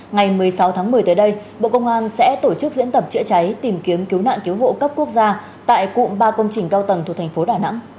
ngày một mươi sáu tháng một mươi tới đây bộ công an sẽ tổ chức diễn tập chữa cháy tìm kiếm cứu nạn cứu hộ cấp quốc gia tại cụm ba công trình cao tầng thuộc thành phố đà nẵng